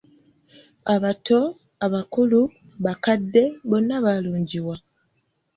"Abato, abakulu, bakadde bonna balungiwa."